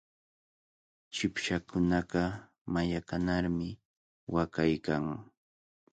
Chipshakunaqa mallaqanarmi waqaykan.